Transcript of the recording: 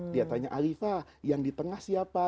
dia tanya alifa yang di tengah siapa